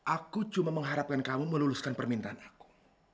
aku cuma mengharapkan kamu meluluskan permintaan aku